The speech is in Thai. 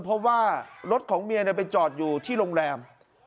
เพราะว่ารถของเมียไปจอดอยู่ที่โรงแรม